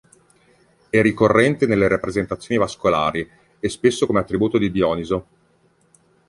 È ricorrente nelle rappresentazioni vascolari, e spesso come attributo di Dioniso.